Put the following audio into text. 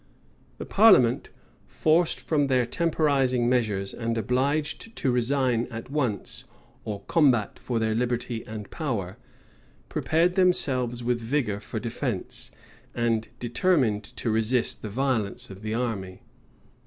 The parliament, forced from their temporizing measures, and obliged to resign at once, or combat for their liberty and power, prepared themselves with vigor for defence, and determined to resist the violence of the army.